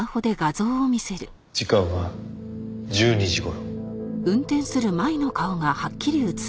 時間は１２時頃。